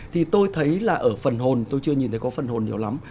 thì tôi thấy là ở phần hồn tôi chưa nhìn thấy có phần hồn nhiều lắm